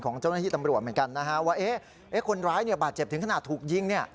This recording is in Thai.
ของเจ้าหน้าที่ตำรวจเหมือนกันนะฮะว่าคนร้ายบาดเจ็บถึงขนาดถูกยิงเนี่ย